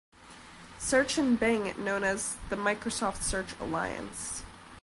Search and Bing known as the Microsoft Search Alliance.